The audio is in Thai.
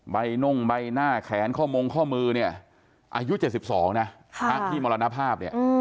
น่งใบหน้าแขนข้อมงข้อมือเนี่ยอายุ๗๒นะที่มรณภาพเนี่ย